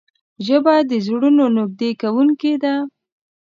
ژبه د زړونو نږدې کوونکې ده